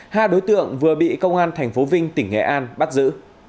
hai đối tượng vừa bị công an tp vinh tỉnh nghệ an bắt giữ